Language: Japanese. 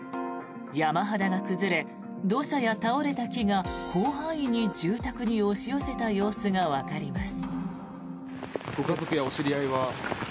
山肌が崩れ、土砂や倒れた木が広範囲に住宅に押し寄せた様子がわかります。